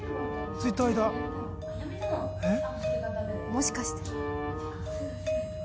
もしかして？